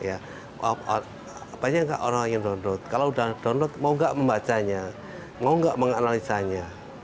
apanya orang ingin download kalau sudah download mau nggak membacanya mau nggak menganalisanya